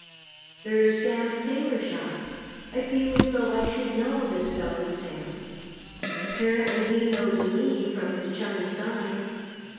There is "Sam's Tailor Shop." I feel as though I should know this fellow Sam. Apparently he knows me from his chummy sign.